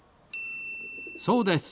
そうです。